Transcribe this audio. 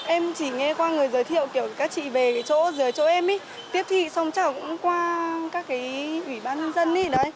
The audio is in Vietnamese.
em chỉ nghe qua người giới thiệu kiểu các chị về chỗ em tiếp thi xong chẳng qua các ủy ban dân